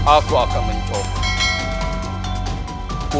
aku akan menemukanmu